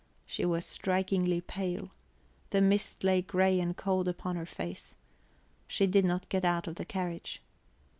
She was strikingly pale; the mist lay grey and cold upon her face. She did not get out of the carriage.